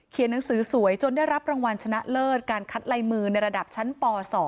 หนังสือสวยจนได้รับรางวัลชนะเลิศการคัดลายมือในระดับชั้นป๒